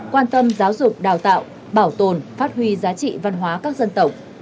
quan tâm giáo dục đào tạo bảo tồn phát huy giá trị văn hóa các dân tộc